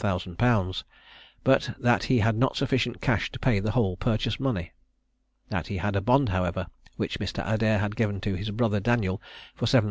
_, but that he had not sufficient cash to pay the whole purchase money. That he had a bond, however, which Mr. Adair had given to his brother Daniel, for 7,500_l.